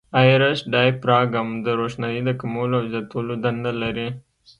آیرس ډایفراګم د روښنایي د کمولو او زیاتولو دنده لري.